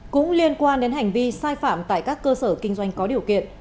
cũng liên quan đến hành vi sai phạm tại các cơ sở kinh doanh có điều kiện